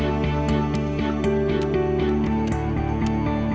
ให้กับคนที่จะมาเรียนนะครับแล้วไม่ปิดกั้นนะครับ